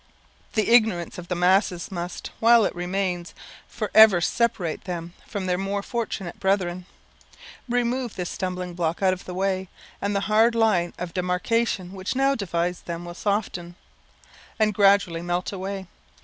The ignorance of the masses must, while it remains, for ever separate them from their more fortunate brethren. Remove this stumbling block out of the way, and the hard line of demarcation which now divides them will soften, and gradually melt away.